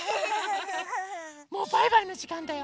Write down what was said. もうバイバイのじかんだよ。